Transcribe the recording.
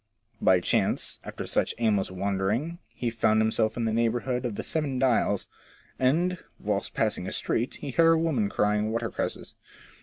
By chance, after much aimless wandering, he found himself in the neighbourhood of the Seven Dials, and, whilst passing a street, he heard a woman crying watercresses.